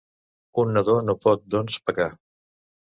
Un nadó no pot, doncs, pecar.